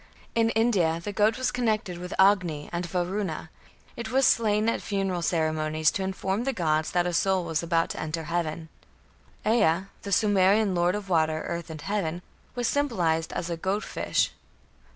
In India, the goat was connected with Agni and Varuna; it was slain at funeral ceremonies to inform the gods that a soul was about to enter heaven. Ea, the Sumerian lord of water, earth, and heaven, was symbolized as a "goat fish".